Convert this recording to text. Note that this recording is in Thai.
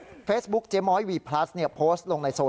มึงจะเอาไปดิ